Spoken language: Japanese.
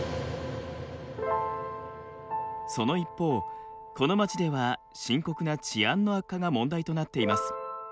その一方この街では深刻な治安の悪化が問題となっています。